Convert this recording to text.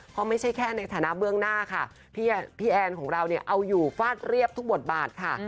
เพราะไม่ใช่แค่ในฐานะเบื้องหน้าค่ะพี่แอนของเราเนี่ยเอาอยู่ฟาดเรียบทุกบทบาทค่ะ